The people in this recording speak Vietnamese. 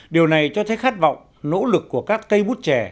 điều này cho thấy khát vọng nỗ lực của các cây bút trẻ